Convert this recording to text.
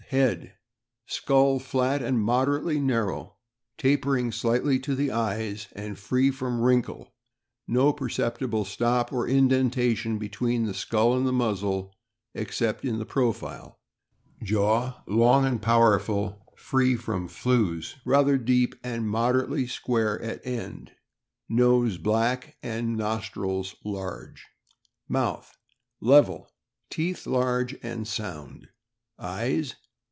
— Skull flat and moderately narrow, tapering slightly to the eyes, and free from wrinkle ; no perceptible stop or indentation between the skull and the muzzle, ex cept in the profile. Jaw long and powerful, free from flews, rather deep, and moderately square at end. Nose black, and nostrils large. Mouth. — Level ; teeth large and sound. Eyes.